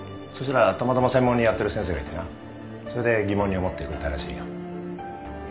そしたらたまたま専門にやってる先生がいてなそれで疑問に思ってくれたらしいよ。